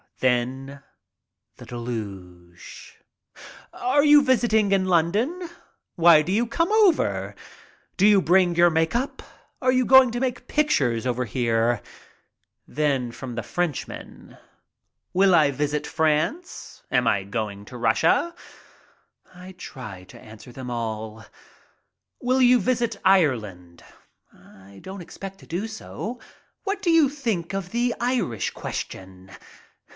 Then the deluge: HELLO! ENGLAND 37 "Are you visiting in London?" "Why did you come over?" "Did you bring your make up?" "Are you going to make pictures over here?" Then from Frenchmen : "Will I visit France?" "Am I going to Russia?" I try to answer them all. "Will you visit Ireland?" "I don't expect to do so." "What do you think of the Irish question?"